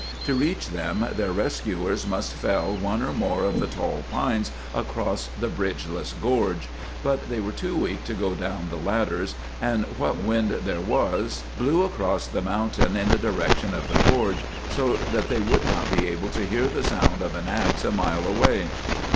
To reach them their rescuers must fell one or more of the tall pines across the bridgeless gorge, but they were too weak to go down the ladders, and what wind there was blew across the mountain in the direction of the gorge, so that they would not be able to hear the sound of an ax a mile away.